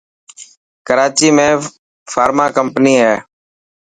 ڪراچي ۾ فارمان ڪمپني هي.